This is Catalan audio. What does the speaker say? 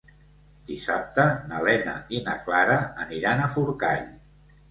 Dissabte na Lena i na Clara aniran a Forcall.